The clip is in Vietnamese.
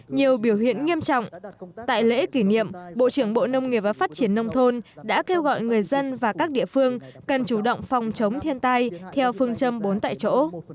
nhiều biểu hiện nghiêm trọng tại lễ kỷ niệm bộ trưởng bộ nông nghiệp và phát triển nông thôn đã kêu gọi người dân và các địa phương cần chủ động phòng chống thiên tai theo phương châm bốn tại chỗ